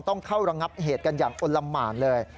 ต้องเข้าระงับเหตุกันอย่างอ้นละหมานเลย